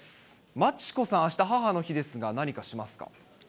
真知子さん、あした、母の日ですが、何かしますか？